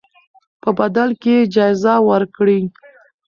په بدل کې یې جایزه ورکړئ.